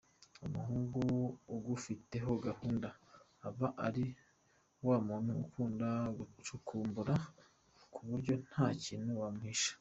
Umuhungu ugufiteho gahunda, aba ari wa muntu ukunda gucukumbura , ku buryo nta kintu wamuhisha.